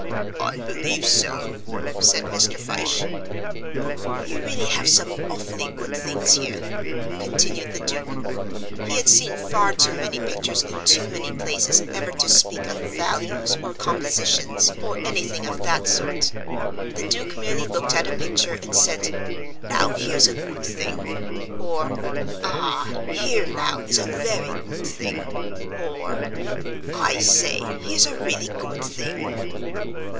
"I believe so," said Mr. Fyshe. "You really have some awfully good things here," continued the Duke. He had seen far too many pictures in too many places ever to speak of "values" or "compositions" or anything of that sort. The Duke merely looked at a picture and said, "Now here's a good thing," or "Ah! here now is a very good thing," or, "I say, here's a really good thing."